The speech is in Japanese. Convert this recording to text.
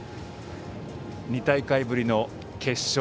２大会ぶりの決勝。